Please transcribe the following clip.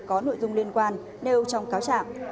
có nội dung liên quan nêu trong cáo trạm